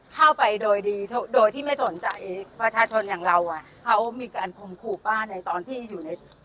เข้าไปโดยดีโดยที่ไม่สนใจประชาชนอย่างเราอ่ะเขามีการคมขู่ป้าในตอนที่อยู่ใน